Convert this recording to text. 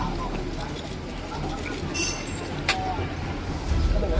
หรืออาหารสำเร็จ